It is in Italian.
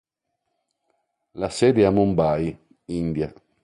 La sede è a Mumbai, India.